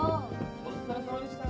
お疲れさまでした。